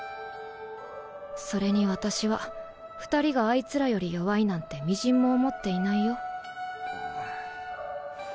それに私は２人があいつらより弱いなんて微塵も思っていないよ。